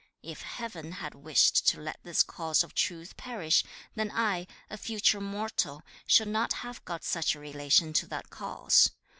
'If Heaven had wished to let this cause of truth perish, then I, a future mortal, should not have got such a relation to that cause.